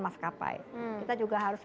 maskapai kita juga harus